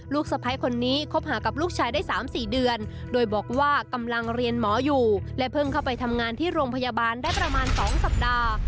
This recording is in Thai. สะพ้ายคนนี้คบหากับลูกชายได้๓๔เดือนโดยบอกว่ากำลังเรียนหมออยู่และเพิ่งเข้าไปทำงานที่โรงพยาบาลได้ประมาณ๒สัปดาห์